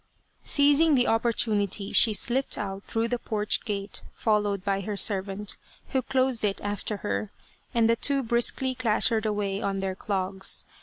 Seizing the opportunity she slipped out through the porch gate, followed by her servant, who closed it after her, and the two briskly clattered away on their clogs.